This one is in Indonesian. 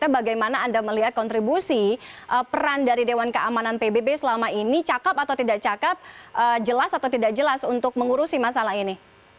bagaimana anda melihat kontribusi peran dari dewan keamanan pbb selama ini cakep atau tidak cakep jelas atau tidak jelas untuk mengurusi masalah ini